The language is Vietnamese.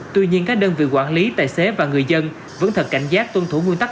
tuy nhiên các đơn vị quản lý tài xế và người dân vẫn thật cảnh giác tuân thủ nguyên tắc